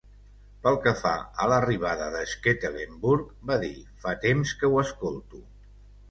Pel que fa a l'arribada de Stekelenburg, va dir "Fa temps que ho escolto".